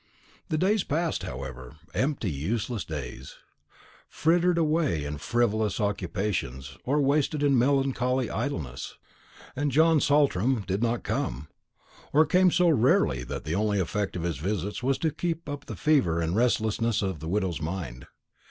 The days passed, however empty useless days, frittered away in frivolous occupations, or wasted in melancholy idleness; and John Saltram did not come, or came so rarely that the only effect of his visits was to keep up the fever and restlessness of the widow's mind.